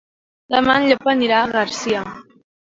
Demà en Llop anirà a Garcia.